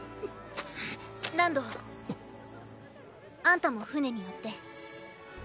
あんたも船に乗って。